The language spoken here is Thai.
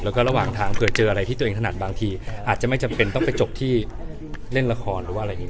แล้วก็ระหว่างทางเผื่อเจออะไรที่ตัวเองถนัดบางทีอาจจะไม่จำเป็นต้องไปจบที่เล่นละครหรือว่าอะไรอย่างนี้